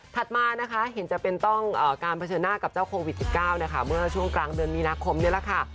มานะคะเห็นจะเป็นต้องการเผชิญหน้ากับเจ้าโควิด๑๙นะคะเมื่อช่วงกลางเดือนมีนาคมนี่แหละค่ะ